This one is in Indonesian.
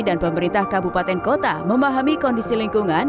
dan pemerintah kabupaten kota memahami kondisi lingkungan